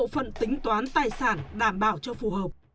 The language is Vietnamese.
bộ phận tính toán tài sản đảm bảo cho phù hợp